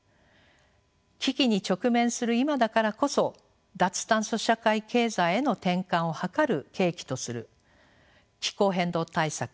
危機に直面する今だからこそ脱炭素社会経済への転換を図る契機とする気候変動対策を促進をする政策が必要です。